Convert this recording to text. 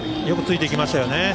よくついていきましたね。